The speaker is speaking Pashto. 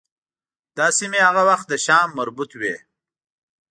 دا سیمې هغه وخت د شام مربوط وې.